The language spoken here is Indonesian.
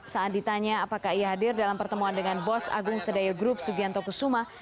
saat ditanya apakah ia hadir dalam pertemuan dengan bos agung sedayo group sugianto kusuma